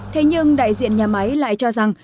thế nhưng đại diện nhà máy lại cho rằng